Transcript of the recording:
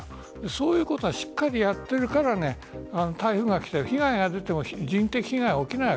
そういうことをしっかりやっているから台風がきたり被害が出ても人的被害は起きない。